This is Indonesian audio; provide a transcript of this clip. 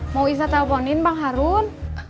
mau bisa teleponin bang harun